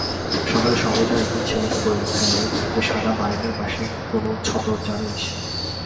সকালে সর্বজয়া একদিন ছেলেকে বলিল, হ্যারে, ওই সাদা বাড়িটার পাশে কোন ছত্তর জানিস?